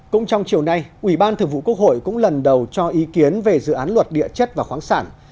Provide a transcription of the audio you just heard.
cũng trong chiều nay ủy ban thượng vụ quốc hội cũng lần đầu cho ý kiến về dự án luật địa chất và khoáng sản